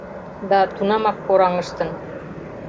Да, тунамак кораҥыштын